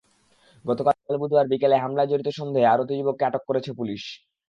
গতকাল বুধবার বিকেলে হামলায় জড়িত সন্দেহে আরও দুই যুবককে আটক করেছে পুলিশ।